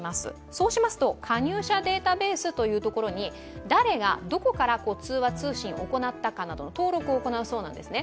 そうしますと、加入者データベースに、誰がどこから誰に通話・通信を行ったかなどの登録を行うそうなんです。